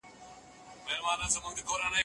هغه محصولات چې بازار لري ګټه راوړي.